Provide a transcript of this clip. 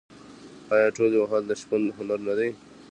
آیا تولې وهل د شپون هنر نه دی؟